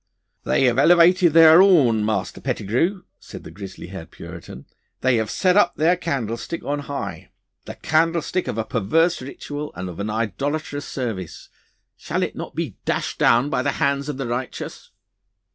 'They have elevated their horn, Master Pettigrue,' said the grizzly haired Puritan. 'They have set up their candlestick on high the candlestick of a perverse ritual and of an idolatrous service. Shall it not be dashed down by the hands of the righteous?